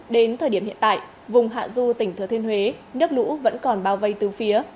đến thời điểm hiện tại vùng hạ du tỉnh thừa thiên huế nước lũ vẫn còn bao vây từ phía